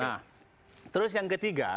nah terus yang ketiga